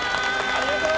ありがとう！